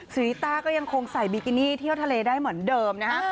ริต้าก็ยังคงใส่บิกินี่เที่ยวทะเลได้เหมือนเดิมนะฮะ